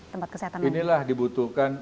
tempat kesehatan inilah dibutuhkan